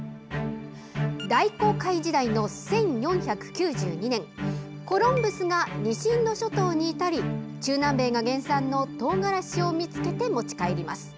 大航海時代の１４９２年コロンブスが西インド諸島に至り中南米が原産のトウガラシを見つけて持ち帰ります。